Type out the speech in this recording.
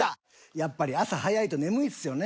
やっぱり朝早いと眠いっすよね